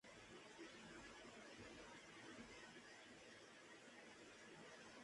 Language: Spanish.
En ella colaboró el dibujante Antonio Mingote.